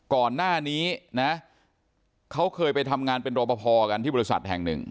ก่อนหน้านี้นะเขาเคยไปทำงานเป็นรอปภกันที่บริษัทแห่งหนึ่ง